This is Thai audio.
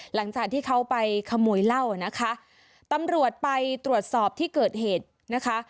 หลังจากที่เขาไปขโมยเหล้านะคะตำรวจไปตรวจสอบที่เกิดเหตุนะคะ